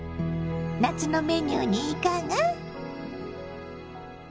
夏のメニューにいかが？